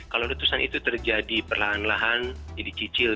kalau letusan itu terjadi perlahan lahan jadi cicil